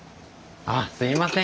ああすいません。